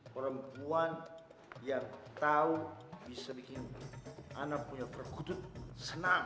perempuan yang tahu bisa bikin anak punya terkutuk senang